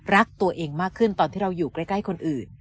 รักตัวเองมากขึ้นตอนที่เราอยู่ใกล้คนอื่น